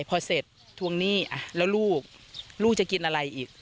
พอเสร็จทวงหนี้แล้วลูกลูกจะกินอะไรอีก